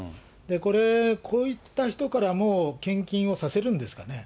これ、こういった人からも献金をさせるんですかね。